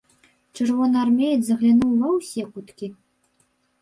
Чырвонаармеец заглянуў ва ўсе куткі.